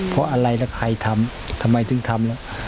เพราะอะไรแล้วใครทำทำไมถึงทำแล้ว